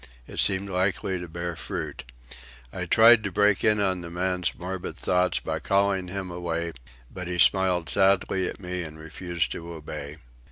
It seemed likely to bear fruit. I tried to break in on the man's morbid thoughts by calling him away, but he smiled sadly at me and refused to obey.